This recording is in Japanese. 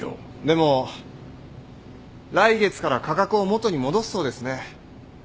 でも来月から価格を元に戻すそうですね。